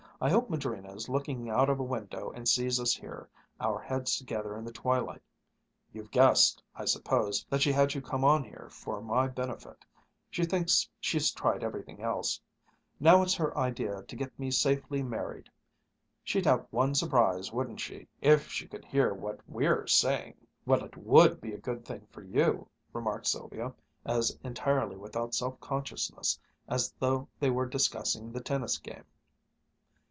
"I hope Madrina is looking out of a window and sees us here, our heads together in the twilight. You've guessed, I suppose, that she had you come on here for my benefit. She thinks she's tried everything else, now it's her idea to get me safely married. She'd have one surprise, wouldn't she, if she could hear what we're saying!" "Well, it would be a good thing for you," remarked Sylvia, as entirely without self consciousness as though they were discussing the tennis game.